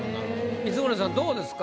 光宗さんどうですか？